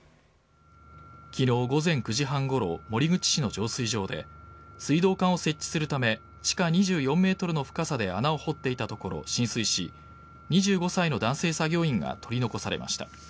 昨日午前９時半ごろ守口市の浄水場で水道管を設置するため地下２４ｍの深さで穴を掘っていたところ浸水し、２５歳の男性作業員が取り残されました。